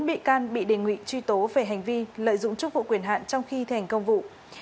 bốn bị can bị đề nghị truy tố về hành vi lợi dụng chức vụ quyền hạn trong khi thành công vụ